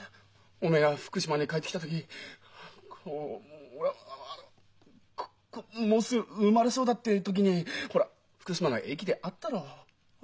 おめえが福島に帰ってきた時こうもうすぐ生まれそうだって時にほら福島の駅で会ったろう？